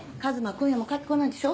今夜も帰ってこないんでしょ？